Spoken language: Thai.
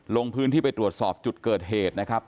ลงพื้นที่ไปตรวจสอบจุดเกิดเหตุนะครับ